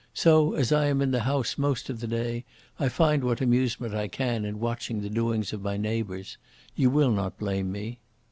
So, as I am in the house most of the day, I find what amusement I can in watching the doings of my neighbours. You will not blame me.